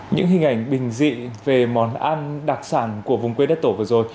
những hình ảnh bình dị về món ăn đặc sản của vùng quê đất tổ vừa rồi